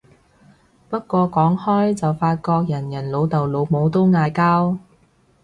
不過講開就發覺人人老豆老母都嗌交